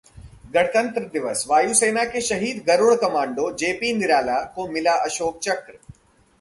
गणतंत्र दिवस: वायुसेना के शहीद गरुड़ कमांडो जेपी निराला को मिला अशोक चक्र